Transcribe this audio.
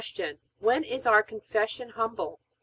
When is our Confession humble?